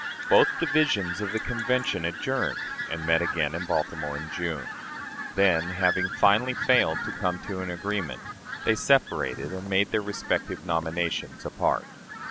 Both divisions of the Convention adjourned, and met again in Baltimore in June. Then, having finally failed to come to an agreement, they separated and made their respective nominations apart.